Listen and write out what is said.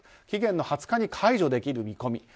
期限の２０日解除できる見込み。